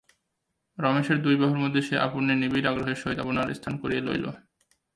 রমেশের দুই বাহুর মধ্যে সে আপনি নিবিড় আগ্রহের সহিত আপনার স্থান করিয়া লইল।